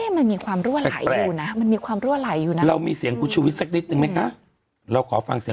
ที่ไม่ใช่ตำรวจนะชื่อโจ๊กเวกัทหนึ่งหกป่าส